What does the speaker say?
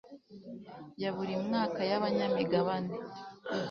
ya buri mwaka y abanyamigabane